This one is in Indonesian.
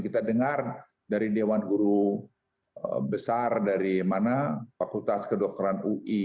kita dengar dari dewan guru besar dari mana fakultas kedokteran ui